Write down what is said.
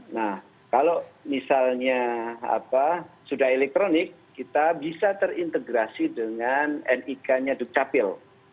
nah kalau misalnya sudah elektronik kita bisa terintegrasi dengan nik nya dukcapil